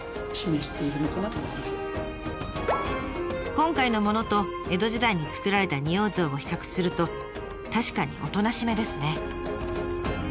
今回のものと江戸時代に作られた仁王像を比較すると確かにおとなしめですね。